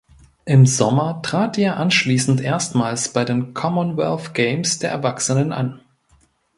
Im Sommer trat er anschließend erstmals bei den Commonwealth Games der Erwachsenen an.